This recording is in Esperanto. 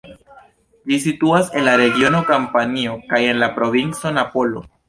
Ĝi situas en la regiono Kampanio kaj en la provinco Napolo.